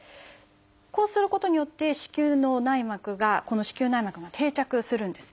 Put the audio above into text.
こうすることによって子宮の内膜がこの子宮内膜が定着するんですね。